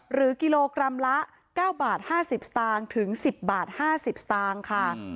หรือกิโลกรัมละ๙๕๐๑๐๕๐บาทค่ะ